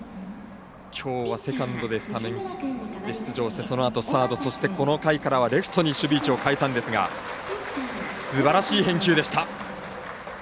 きょうはセカンドでスタメンで出場してそのあとサードそして、この回からはレフトに守備位置を変えたんですがすばらしい返球でした。